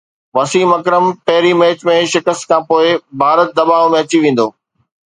وسيم اڪرم پهرين ميچ ۾ شڪست کانپوءِ ڀارت دٻاءُ ۾ اچي ويندو